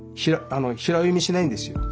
平読みしないんですよ。